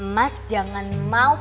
mas jangan mau